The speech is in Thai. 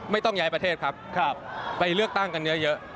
ไม่ต้องย้ายประเทศครับไปเลือกตั้งกันเยอะ